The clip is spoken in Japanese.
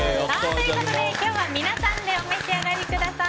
今日は皆さんでお召し上がりください。